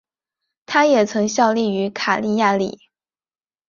他也曾效力于卡利亚里。